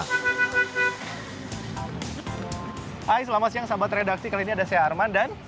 hai selamat siang sahabat redaksi kali ini ada saya arman dan